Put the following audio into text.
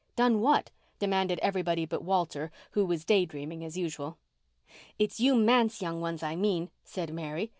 "Done what?" demanded everybody but Walter, who was day dreaming as usual. "It's you manse young ones, I mean," said Mary.